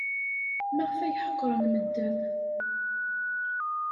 Maɣef ay ḥeqren medden?